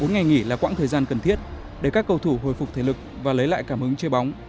bốn ngày nghỉ là quãng thời gian cần thiết để các cầu thủ hồi phục thể lực và lấy lại cảm hứng chơi bóng